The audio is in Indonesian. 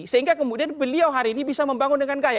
sehingga kemudian beliau hari ini bisa membangun dengan kaya